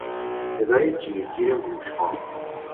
صدای جیر جیر موشها